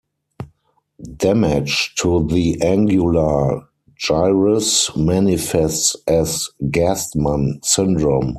Damage to the angular gyrus manifests as Gerstmann syndrome.